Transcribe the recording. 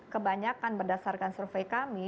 kebanyakan berdasarkan survei kami